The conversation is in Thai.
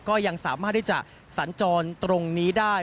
ก็ยังสามารถที่จะสัญจรตรงนี้ได้